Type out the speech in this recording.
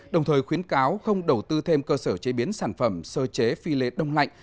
đồng thời khuyến cáo không đầu tư thêm cơ sở chế biến sản phẩm sơ chế phi lệ đông lạnh